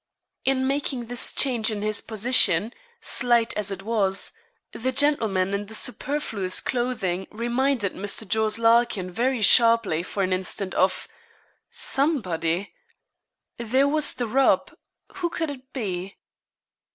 In making this change in his position, slight as it was, the gentleman in the superfluous clothing reminded Mr. Jos. Larkin very sharply for an instant of _some_body. There was the rub; who could it be?